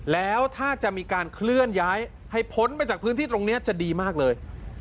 แล้วถ้าจะมีการเคลื่อนย้ายให้พ้นไปจากพื้นที่ตรงนี้จะดีมากเลย